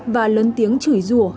và lớn tiếng chửi rùa